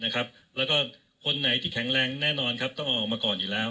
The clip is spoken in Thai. แล้วก็คนไหนที่แข็งแรงแน่นอนต้องออกมาก่อนอยู่แล้ว